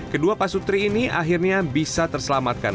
kedua pasutri ini akhirnya bisa terselamatkan